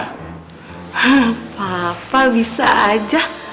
hah papa bisa aja